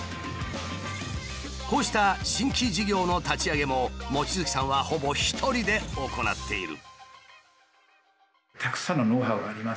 こうした新規事業の立ち上げも望月さんはほぼ一人で行っている。